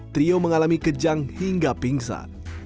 trio mengalami kejang hingga pingsan